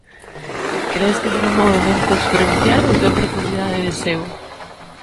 Credes que será un movemento superficial ou ten profundidade de seu?